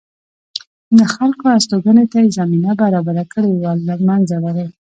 د خلکو هستوګنې ته یې زمینه برابره کړې وه له منځه لاړل